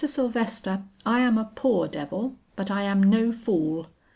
Sylvester, I am a poor devil but I am no fool.